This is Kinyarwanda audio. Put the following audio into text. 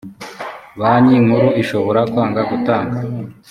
banki nkuru ishobora kwanga gutanga